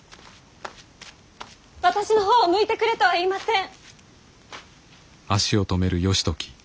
私の方を向いてくれとは言いません。